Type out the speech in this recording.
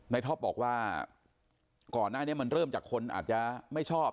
ท็อปบอกว่าก่อนหน้านี้มันเริ่มจากคนอาจจะไม่ชอบ